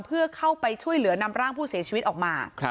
เพื่อเข้าไปช่วยเหลือนำร่างผู้เสียชีวิตออกมา